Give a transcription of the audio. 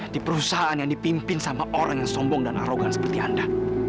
di perusahaan yang dipimpin sama orang yang sombong dan arogan seperti anda